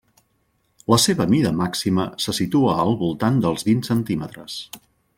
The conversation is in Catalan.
La seva mida màxima se situa al voltant dels vint centímetres.